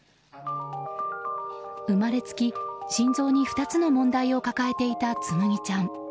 生まれつき心臓に２つの問題を抱えていた紬ちゃん。